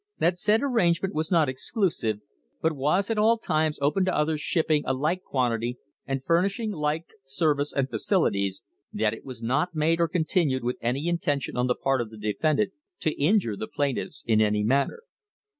"That said arrangement was not exclusive, but was at all times open to others THE HISTORY OF THE STANDARD OIL COMPANY shipping a like quantity and furnishing like service and facilities; that it was not made or continued with any intention on the part of the defendant to injure the plaintiffs in any manner."